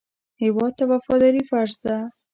هېواد ته وفاداري فرض ده